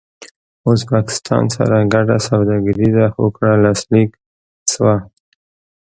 ازبکستان سره ګډه سوداګريزه هوکړه لاسلیک شوه